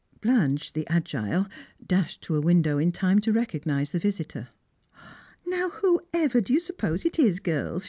Blanche, the agile, dashed to a window in time to recognise the visitor. "Now, whoever do you suppose it is, girls?"